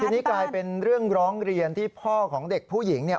ทีนี้กลายเป็นเรื่องร้องเรียนที่พ่อของเด็กผู้หญิงเนี่ย